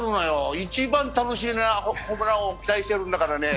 一番楽しみなホームラン王を期待しているんですよね。